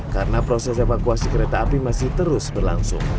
karena proses evakuasi kereta api masih terus berlangsung